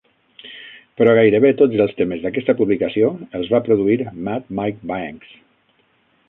Però gairebé tots els temes d'aquesta publicació els va produir "Mad" Mike Banks.